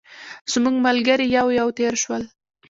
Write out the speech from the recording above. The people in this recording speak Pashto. زموږ ملګري یو یو تېر شول.